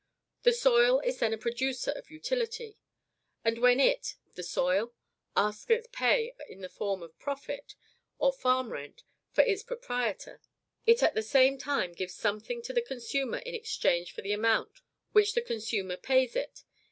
The soil is then a producer of utility; and when it [the soil?] asks its pay in the form of profit, or farm rent, for its proprietor, it at the same time gives something to the consumer in exchange for the amount which the consumer pays it.